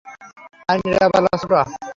আর নীরবালা ছোটো।